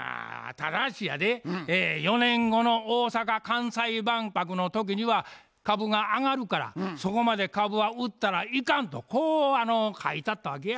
ただしやで４年後の大阪・関西万博の時には株が上がるからそこまで株は売ったらいかんとこう書いてあったわけや。